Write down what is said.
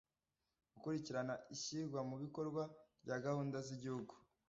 gukurikirana ishyirwa mu bikorwa rya gahunda z'igihugu